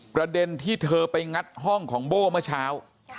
ประเด็นที่เธอไปงัดห้องของโบ้เมื่อเช้า